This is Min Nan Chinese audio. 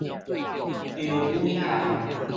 張葦航